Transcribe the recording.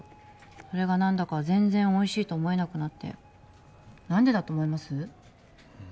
それが何だか全然おいしいと思えなくなって何でだと思います？